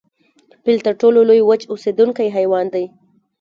فیل تر ټولو لوی وچ اوسیدونکی حیوان دی